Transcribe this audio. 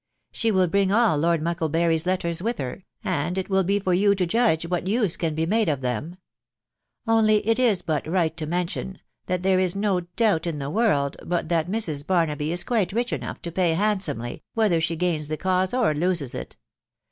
She will bring all Lord Mucklebury's letters with her, and it will be for you to judge what use can be made of them ;— only it is but right to mention, that there is no doubt in the world but that Mrs. Barnaby is quite rich enough to pay handsomely, whether she gains the cause or loses it.